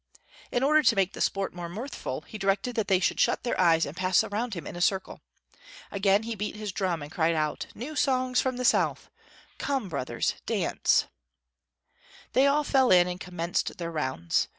In order to make the sport more mirthful, he directed that they should shut their eyes and pass around him in a circle. Again he beat his drum and cried out: "New songs from the South! Come, brothers, dance!" [Illustration: 0039] They all fell in and commenced their rounds.